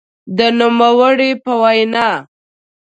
د نوموړي په وینا؛